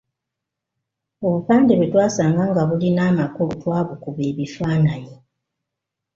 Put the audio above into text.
Obupande bwe twasanga nga bulina amakulu twabukuba ebifaananyi.